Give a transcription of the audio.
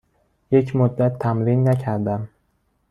یک مدت تمرین نکردم.